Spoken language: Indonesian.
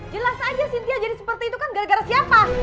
jelas aja cynthia jadi seperti itu kan gara gara siapa